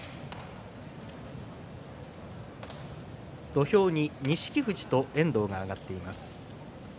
土俵に錦富士と遠藤が上がっています。